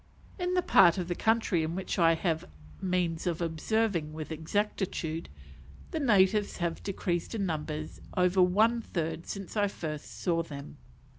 In the part of the country in which I have had means of observing with exactitude, the natives have decreased in numbers over one third since I first saw them.